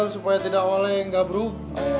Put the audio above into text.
supaya tidak oleh yang gak berubah